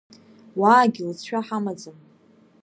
Уаагьы лыҵшәа ҳамаӡам.